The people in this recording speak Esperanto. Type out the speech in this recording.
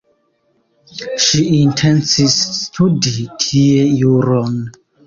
Ŝi intencis studi tie juron.